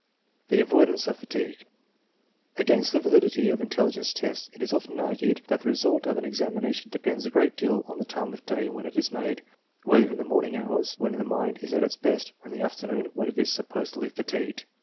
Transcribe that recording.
The avoidance of fatigue. Against the validity of in telligence tests it is often argued that the result of an ex amination depends a great deal on the time of day when it is made, whether in the morning hours when the mind is at its best, or in the afternoon when it is supposedly fatigued.